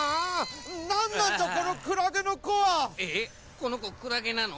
このこクラゲなの？